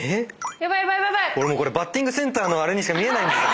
俺これバッティングセンターのあれにしか見えないです。